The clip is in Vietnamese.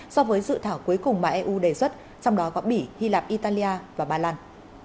so với dự thảo cuối cùng mà eu đề xuất trong đó có bỉ hy lạp italia và ba lan